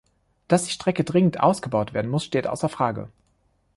Dass die Strecke dringend ausgebaut werden muss, steht außer Frage.